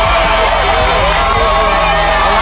หนึ่งลูกผ่านไปแล้วนะคะ